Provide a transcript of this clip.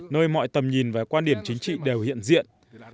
nơi mọi tầm nhìn và quan điểm chính trị đều hiện diện